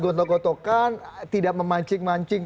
gontok gotokan tidak memancing mancing